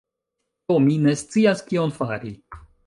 Do, mi ne scias kion fari...